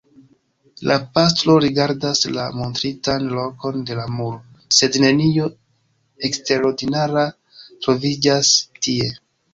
La pastro rigardas la montritan lokon de la muro, sed nenio eksterordinara troviĝas tie.